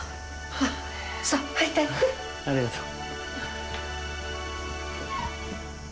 ああありがとう。